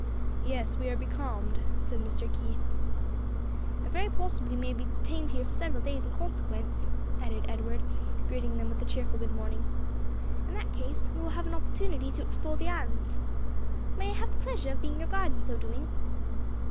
"Yes, we are becalmed," said Mr. Keith. "And very possibly may be detained here for several days in consequence," added Edward, greeting them with a cheerful good morning. "In that case we will have an opportunity to explore the island. May I have the pleasure of being your guide in so doing?"